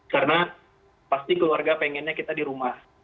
karena pasti keluarga pengennya kita di rumah